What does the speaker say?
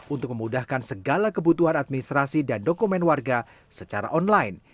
untuk memudahkan segala kebutuhan administrasi dan dokumen warga secara online